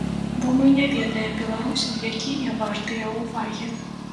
Бо мы не ведаем беларусаў, якія вартыя ўвагі.